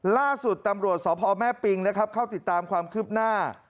ล่าสุดตำรวจสพแม่ปิงนะครับเข้าติดตามความคืบหน้า